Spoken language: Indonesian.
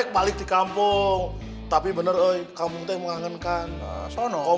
balik di kampung tapi bener bener menganggarkan sono